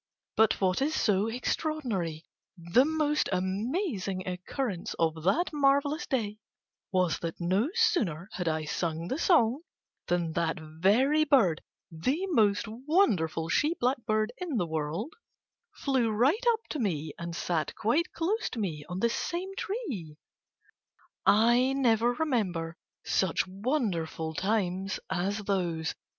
But what is so extraordinary, the most amazing occurence of that marvellous day, was that no sooner had I sung the song than that very bird, the most wonderful she blackbird in the world, flew right up to me and sat quite close to me on the same tree. I never remember such wonderful times as those.